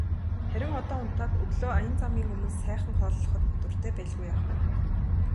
Харин одоо унтаад өглөө аян замын өмнө сайхан хооллоход дуртай байлгүй яах вэ.